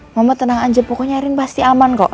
mama tenang aja pokoknya erin pasti aman kok